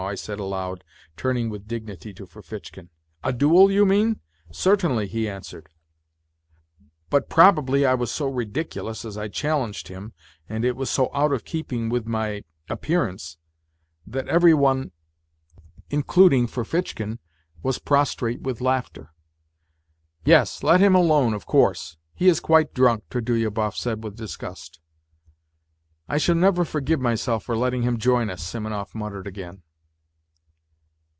" I said aloud, turning with dignity to :chkin. " A duel, you mean ? Certainly/' he answered. But probably NOTES FROM UNDERGROUND 111 I was so ridiculous as I challenged him and it was so out of keeping with my appearance that everyone, including Ferfitchkin, was prostrate with laughter. " Yes, let him alone, of course ! He is quite drunk," Trudolyu bov said with disgust. " I shall never forgive myself for letting him join us," Simonov muttered again.